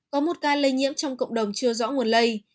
có một ca lây nhiễm trong cộng đồng chưa rõ nguồn lây